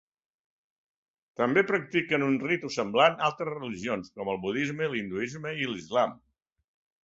També practiquen un ritu semblant altres religions com el budisme, l'hinduisme i l'islam.